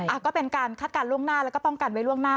อ่ะก็เป็นการคาดการณ์ล่วงหน้าแล้วก็ป้องกันไว้ล่วงหน้า